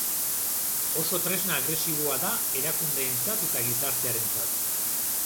Oso tresna agresiboa da erakundeentzat eta gizartearentzat.